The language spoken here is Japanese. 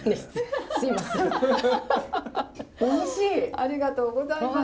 ありがとうございます。